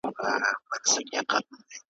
له غړومبي چي وېرېدلی وو پښېمان سو ,